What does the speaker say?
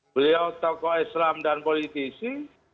beliau tokoh islam dan politisi